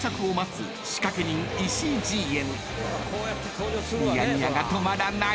［にやにやが止まらない］